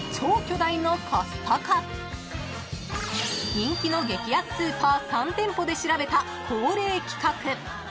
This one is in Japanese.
［人気の激安スーパー３店舗で調べた恒例企画］